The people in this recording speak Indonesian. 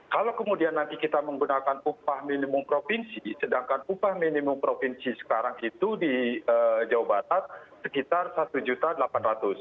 kalau kemudian nanti kita menggunakan upah minimum provinsi sedangkan upah minimum provinsi sekarang itu di jawa barat sekitar rp satu delapan ratus